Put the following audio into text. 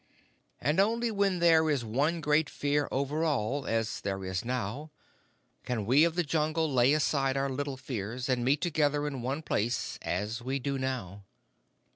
"And only when there is one great Fear over all, as there is now, can we of the Jungle lay aside our little fears, and meet together in one place as we do now."